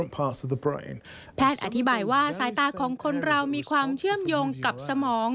แพทย์อธิบายว่าสายตาของคนเรามีความเชื่อมโยงกับสมอง